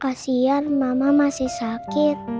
kasian mama masih sakit